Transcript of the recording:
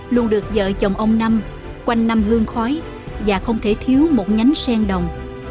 luôn được vợ chồng ông năm quanh năm hương khói và không thể thiếu một nhánh sen đồng